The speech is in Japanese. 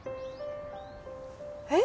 えっ？